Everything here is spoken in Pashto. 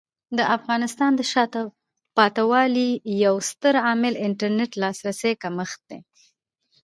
د افغانستان د شاته پاتې والي یو ستر عامل د انټرنیټ لاسرسي کمښت دی.